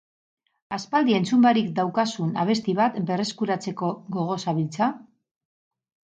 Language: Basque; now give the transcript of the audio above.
Aspaldi entzun barik daukazun abesti bat berreskuratzeko gogoz zabiltza?